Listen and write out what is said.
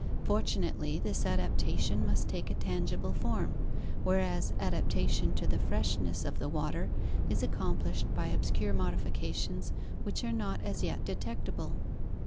Fortunately this adaptation must take a tangible form, whereas adaptation to the freshness of the water is accomplished by obscure modifications which are not as yet detectable.